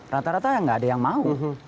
rata rata nggak ada yang mau